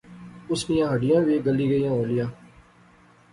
اس نیاں ہڈیاں وی گلی گئیاں ہولیاں